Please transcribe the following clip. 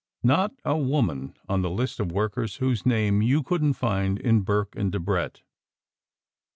Not a woman on the list of workers whose name you couldn t find in Burke and Debrett